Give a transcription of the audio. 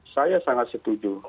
saya sangat setuju